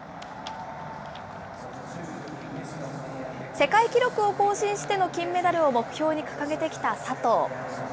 世界記録を更新しての金メダルを目標に掲げてきた佐藤。